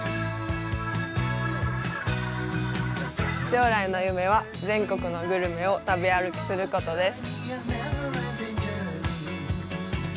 将来の夢は全国のグルメを食べ歩きすることです。